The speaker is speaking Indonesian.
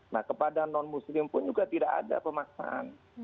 nah kepada non muslim pun juga tidak ada pemaksaan